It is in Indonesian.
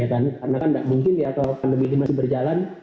karena kan tidak mungkin ya kalau pandemi ini masih berjalan